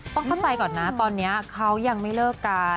ต้องเข้าใจก่อนนะตอนนี้เขายังไม่เลิกกัน